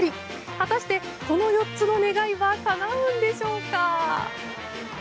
果たして、この４つの願いはかなうんでしょうか。